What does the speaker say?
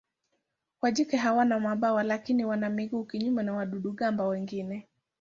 Majike hawana mabawa lakini wana miguu kinyume na wadudu-gamba wengine.